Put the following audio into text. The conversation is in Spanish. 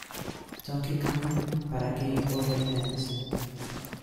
Donkey Kong" para Game Boy Advance.